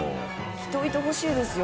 来といてほしいですよ